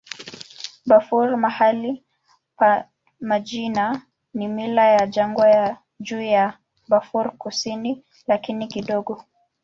Bafur mahali pa majina na mila ya jangwa juu ya Bafur kuishi, lakini kidogo.